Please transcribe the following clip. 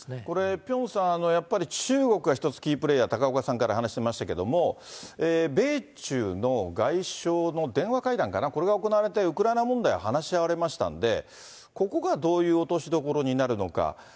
これ、ピョンさん、やっぱり、中国は一つキープレーヤー、高岡さんから話が出ましたけども、米中の外相の電話会談かな、これが行われて、ウクライナ問題が話し合われましたんで、ここがどういう落としどころになるのか。